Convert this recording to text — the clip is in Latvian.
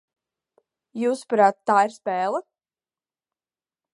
Jūsuprāt, tā ir spēle?